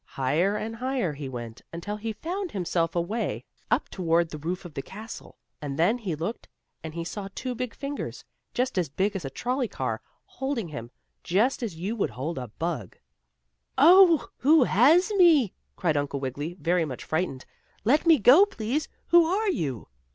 Higher and higher he went, until he found himself away up toward the roof of the castle, and then he looked and he saw two big fingers, about as big as a trolley car, holding him just as you would hold a bug. "Oh, who has me?" cried Uncle Wiggily, very much frightened. "Let me go, please. Who are you?"